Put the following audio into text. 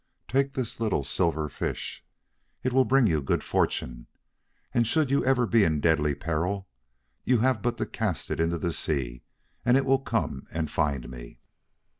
Take this little silver fish. It will bring you good fortune; and should you ever be in deadly peril, you have but to cast it into the sea, and it will come and find me."